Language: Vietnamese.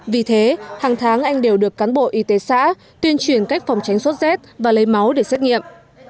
vì thế hàng tháng anh đều được cán bộ y tế xã tuyên truyền cách phòng tránh sốt z và lấy máu để xét nghiệm